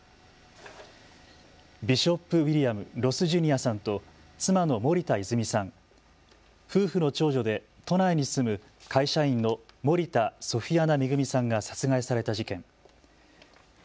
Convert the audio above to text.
ビショップ・ウィリアム・ロス・ジュニアさんと妻の森田泉さん、夫婦の長女で都内に住む会社員の森田ソフィアナ恵さんが殺害された事件。